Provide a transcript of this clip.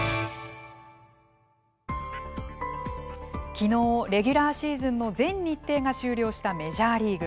昨日、レギュラーシーズンの全日程が終了したメジャーリーグ。